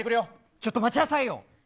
ちょっと待ちなさいよ。